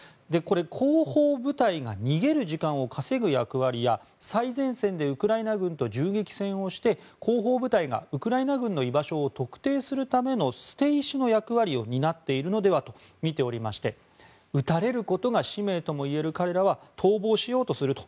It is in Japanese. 後方部隊が逃げる時間を稼ぐ役割や最前線でウクライナ軍と銃撃戦をして後方部隊がウクライナ軍の居場所を特定するための捨て石の役割を担っているのではとみておりまして撃たれることが使命ともいえる彼らは逃亡しようとすると。